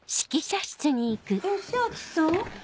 良明さん？